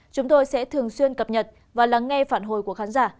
chúng tôi sẽ thường xuyên cập nhật và lắng nghe phản hồi của khán giả